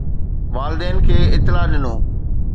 والدين کي اطلاع ڏنو